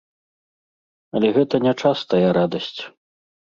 Але гэта нячастая радасць.